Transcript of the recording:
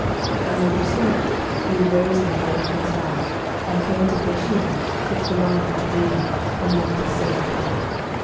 11:019:003 And when he saw that, he arose, and went for his life, and came to Beersheba, which belongeth to Judah, and left his servant there.